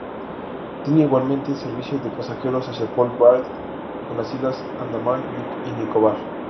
Tiene igualmente servicio de pasajeros hacia Port Blair, en las islas Andamán y Nicobar.